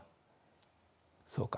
そうか。